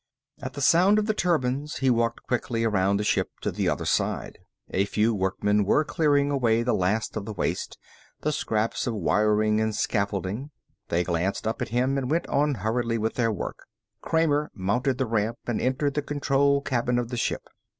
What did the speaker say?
At the sound of the turbines he walked quickly around the ship to the other side. A few workmen were clearing away the last of the waste, the scraps of wiring and scaffolding. They glanced up at him and went on hurriedly with their work. Kramer mounted the ramp and entered the control cabin of the ship.